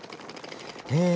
え